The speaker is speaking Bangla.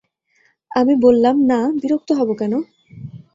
আমি বললাম, না, বিরক্ত হব কেন?